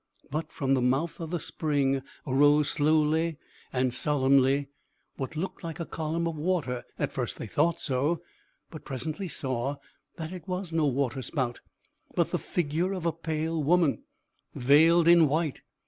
But, from the mouth of the spring arose, slowly and solemnly, what looked like a column of water; at first they thought so, but presently saw that it was no waterspout, but the figure of a pale woman, veiled in white.